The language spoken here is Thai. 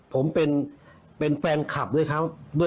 ผมเป็นแฟนคลับด้วยครับ